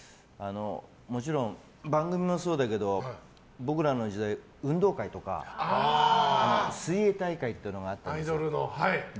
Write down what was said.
もちろん番組もそうだけど僕らの時代運動会とか、水泳大会っていうのがあったんです。